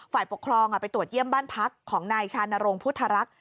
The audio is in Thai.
ฝ่ายปกครองไปตรวจเยี่ยมบ้านพักของนายชานรงพุทธรักษ์